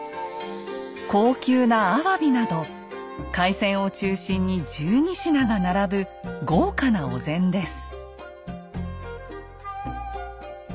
高級なアワビなど海鮮を中心に１２品が並ぶ豪華なお膳です。